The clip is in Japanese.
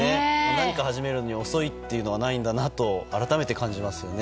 何か始めるのに遅いというのはないんだなと改めて感じますよね。